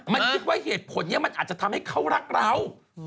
มันคิดว่าเหตุผลนี้มันอาจจะทำให้เขารักเรา